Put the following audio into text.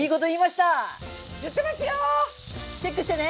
チェックしてね！